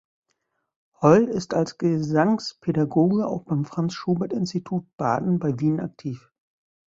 Holl ist als Gesangspädagoge auch beim Franz-Schubert-Institut Baden bei Wien aktiv.